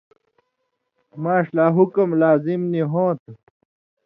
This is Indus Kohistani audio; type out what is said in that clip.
ماݜ لا حکم لازِم نی ہوں تھہ۔